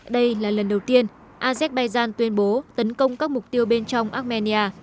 đây là lần đầu tiên azerbaijan tuyên bố tấn công các mục tiêu bên trong armenia